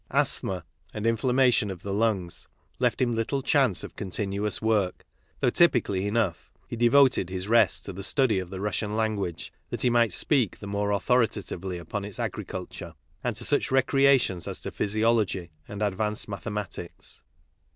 Asthma and infiainmation of the lungs left him little chance of con tinuous work, though typically enough, he devoted his rest to the study of the Russian language that he might speak the more authoritatively upon its agriculture, and to such recreations as physiology and advanced mathe matics.